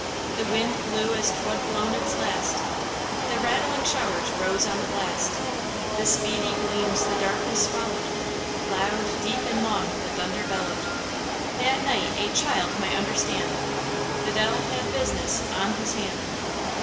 The wind blew as 'twad blawn its last The rattling showers rose on the blast; The speedy gleams the darkness swallowed; Loud, deep and long the thunder bellowed; That night a child might understand The de'il had business on his hand.